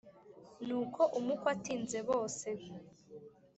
Nuko umukwe atinze bose